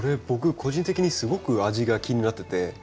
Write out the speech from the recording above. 僕個人的にすごく味が気になってて。